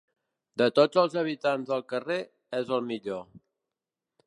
De tots els habitants del carrer, és el millor.